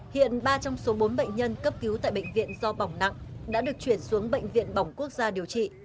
hiện ba trong số bốn bệnh nhân cấp cứu tại bệnh viện do bỏng nặng đã được chuyển xuống bệnh viện bỏng quốc gia điều trị